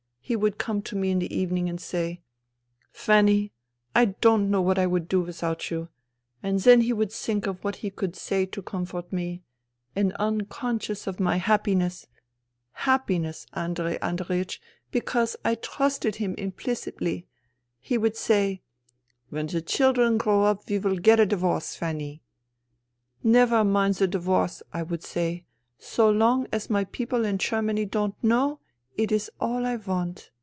He would come to me in the evening and say :"' Fanny, I don't know what I would do without you.' And then he would think of what he could say to comfort me, and unconscious of my happiness 82 FUTILITY (happiness, Andrei Andreiech, because I trusted him imphcitly) he would say :"' When the children grow up we will get a divorce, Fanny.' "' Never mind the divorce,' I would say. ' So long as my people in Germany don't know, it is all I want.